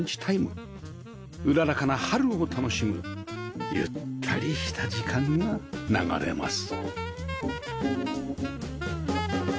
うららかな春を楽しむゆったりした時間が流れます